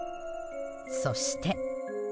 そして。